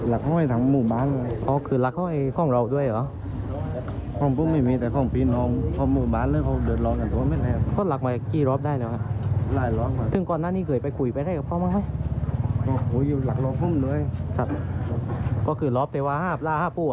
ลา๕ผู้หรอ